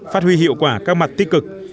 phát huy hiệu quả các mặt tích cực